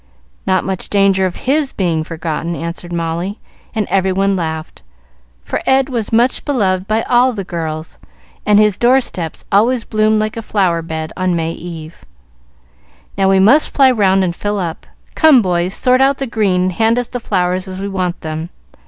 "Not much danger of his being forgotten," answered Molly; and every one laughed, for Ed was much beloved by all the girls, and his door steps always bloomed like a flower bed on May eve. "Now we must fly round and fill up. Come, boys, sort out the green and hand us the flowers as we want them.